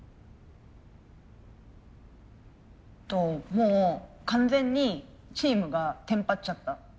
もう完全にチームがテンパっちゃった。